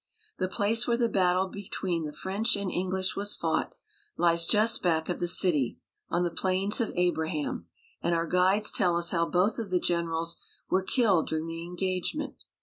The place where the battle between the French and English was fought lies just back of the city, on the Plains of Abraham ; and our guides tell us how both of the generals were killed during the engagement.